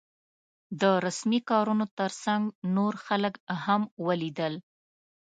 د رسمي کارونو تر څنګ نور خلک هم ولیدل.